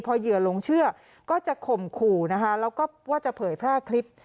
พอเหยื่อหลงเชื่อก็จะข่มขู่นะคะแล้วก็ว่าจะเผยแพร่คลิป